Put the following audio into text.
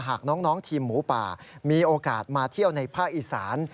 หากน้องทีมหมูป่ามีโอกาสมาเที่ยวในภาคอีสาน